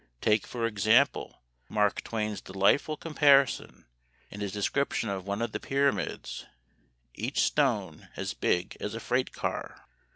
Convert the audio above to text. Take, for example, Mark Twain's delightful comparison in his description of one of the pyramids: each stone as big as a freight car!